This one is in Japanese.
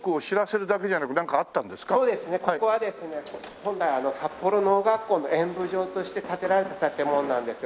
本来札幌農学校の演武場として建てられた建物なんですよ。